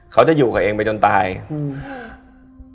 เขาจะอยู่กับเองไปจนตายอืม